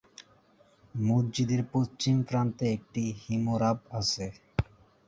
মসজিদের পশ্চিম প্রান্তে একটি মিহরাব আছে।